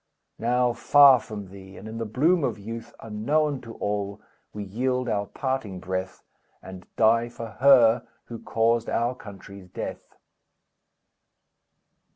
Now, far from thee, and in the bloom of youth, Unknown to all, we yield our parting breath, And die for her, who caused our country's death!"